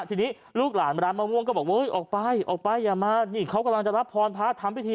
ทีนี้ลูกหลานมาง่วงก็บอกเออออกไปอย่ามานี่เขากำลังจะรับพรพาท่ามภีฐี